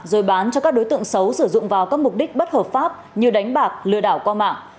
rồi bán cho các đối tượng xấu sử dụng vào các mục đích bất hợp pháp như đánh bạc lừa đảo qua mạng